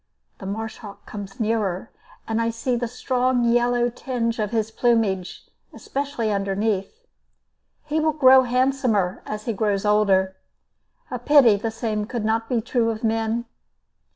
The marsh hawk comes nearer, and I see the strong yellow tinge of his plumage, especially underneath. He will grow handsomer as he grows older. A pity the same could not be true of men.